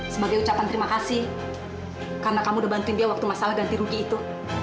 sebagai ucapan terima kasih karena kamu udah bantuin dia waktu masalah ganti rugi itu